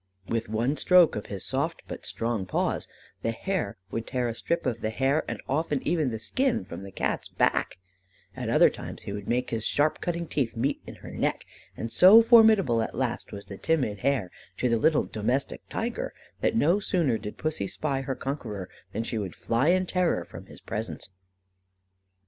With one stroke of his soft but strong paws, the hare would tear a strip of the hair, and often even the skin, from the Cat's back; at other times he would make his sharp cutting teeth meet in her neck; and so formidable at last was the "timid hare" to the little "domestic tiger," that no sooner did Pussy spy her conqueror than she would fly in terror from his presence.